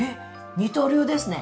二刀流ですね。